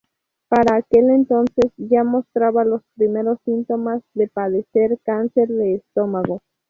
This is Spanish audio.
Para aquel entonces, ya mostraba los primeros síntomas de padecer cáncer de estómago.